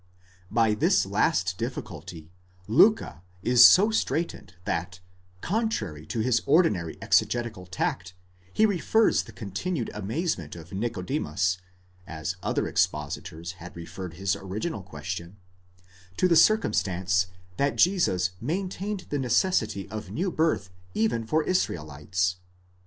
By this last difficulty Liicke is so straitened, that, contrary to his ordinary exegetical tact, he refers the continued amazement of Nicodemus (as other expositors had referred his Ὁ original question) to the circumstance that Jesus maintained the necessity of new birth even for Israelites.